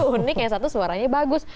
unik ya satu suaranya bagus